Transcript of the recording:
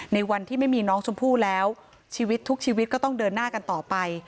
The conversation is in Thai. ในวันที่ไม่มีน้องชมพู่แล้วชีวิตทุกชีวิตก็ต้องเดินหน้ากันต่อไป